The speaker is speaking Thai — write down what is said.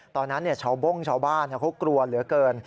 ตอนนั้นชาวบ้านเค้ากลัวเหลือเกิน